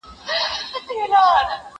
کتابتون پاک کړه